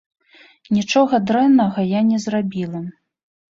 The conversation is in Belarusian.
Нічога дрэннага я не зрабіла.